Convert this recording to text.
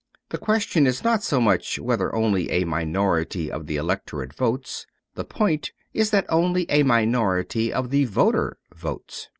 The question is not so much whether only a minority of the electorate votes. The point is that only a minority of the voter votes.